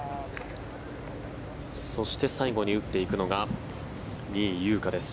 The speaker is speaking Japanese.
そして最後に打っていくのが仁井優花です。